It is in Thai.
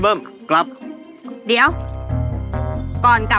แบบนี้ก็ได้